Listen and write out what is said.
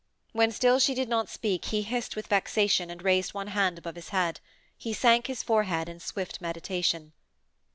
When still she did not speak he hissed with vexation and raised one hand above his head. He sank his forehead in swift meditation.